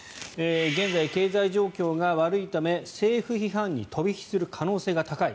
現在、経済状況が悪いため政府批判に飛び火する可能性が高い。